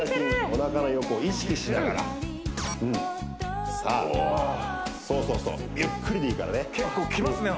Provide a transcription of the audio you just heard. おなかの横意識しながらさあそうそうそうおゆっくりでいいからね結構きますね